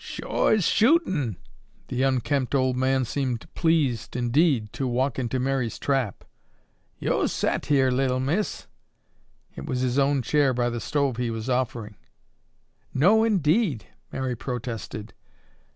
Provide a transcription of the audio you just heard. "Sho' as shootin'!" the unkempt old man seemed pleased indeed to walk into Mary's trap. "Yo' set here, Little Miss." It was his own chair by the stove he was offering. "No, indeed!" Mary protested.